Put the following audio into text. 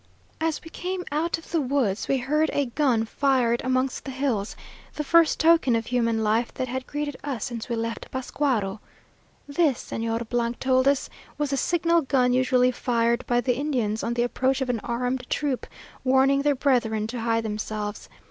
As we came out of the woods we heard a gun fired amongst the hills, the first token of human life that had greeted us since we left Pascuaro. This, Señor told us, was the signal gun usually fired by the Indians on the approach of an armed troop, warning their brethren to hide themselves.